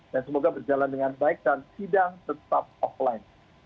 dan semoga berjalan dengan baik dan sidang tetap offline